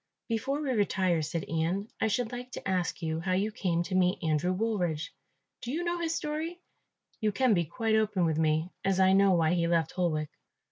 "Before we retire," said Ian, "I should like to ask you how you came to meet Andrew Woolridge. Do you know his story? You can be quite open with me, as I know why he left Holwick."